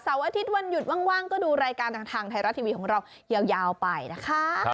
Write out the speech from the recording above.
อาทิตย์วันหยุดว่างก็ดูรายการทางไทยรัฐทีวีของเรายาวไปนะคะ